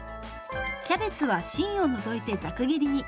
キャベツは芯を除いてザク切りに。